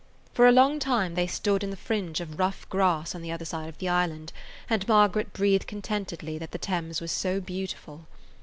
For a long time they stood in the fringe of rough grass on the other side of the island, and Margaret breathed contentedly that the Thames was so beautiful.